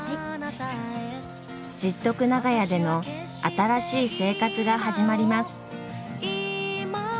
十徳長屋での新しい生活が始まります。